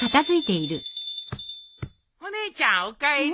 お姉ちゃんおかえり。